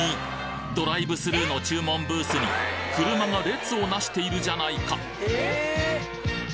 ドライブスルーの注文ブースに車が列をなしているじゃないかいらっしゃいませ。